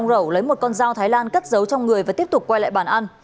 rẩu lấy một con dao thái lan cất giấu trong người và tiếp tục quay lại bàn ăn